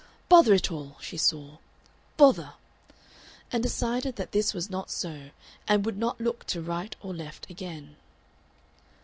"Bother it all!" she swore. "Bother!" and decided that this was not so, and would not look to right or left again.